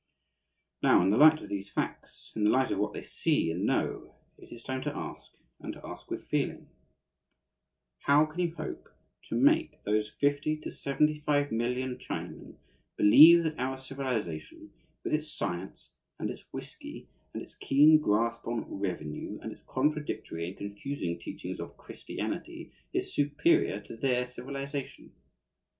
Now, in the light of these facts, in the light of what they see and know, it is time to ask, and to ask with feeling How can you hope to make those fifty to seventy five million Chinamen believe that our civilization, with its science, and its whisky, and its keen grasp on "revenue," and its contradictory and confusing teachings of Christianity, is superior to their civilization?